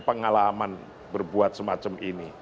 pengalaman berbuat semacam ini